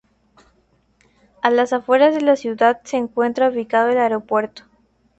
A las afueras de la ciudad se encuentra ubicado el aeropuerto.